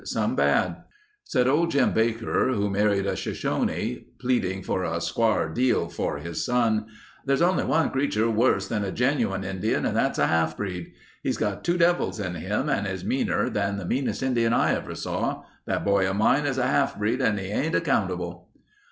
Some bad. Said old Jim Baker, who married a Shoshone, pleading for a "squar" deal for his son: "There's only one creature worse than a genuine Indian and that's a half breed. He has got two devils in him and is meaner than the meanest Indian I ever saw. That boy of mine is a half breed and he ain't accountable."